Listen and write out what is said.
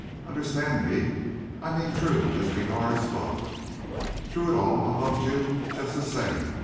Understand me. I mean true as regards love. Through it all I loved you just the same.